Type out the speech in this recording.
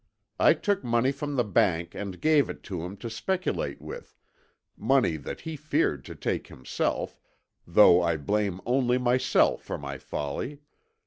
I took money from the bank and gave it to him to speculate with, money that he feared to take himself, though I blame only myself for my folly.